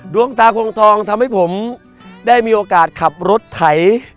ดวงตาคงทองทำให้ผมได้มีโอกาสขับรถไถ